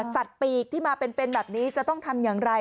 ปีกที่มาเป็นแบบนี้จะต้องทำอย่างไร